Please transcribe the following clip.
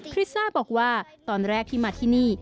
ริซ่าบอกว่าตอนแรกที่มาที่นี่